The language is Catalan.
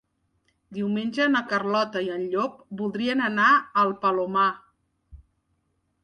Diumenge na Carlota i en Llop voldrien anar al Palomar.